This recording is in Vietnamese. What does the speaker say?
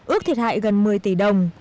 ước thiệt hại gần một mươi tỷ đồng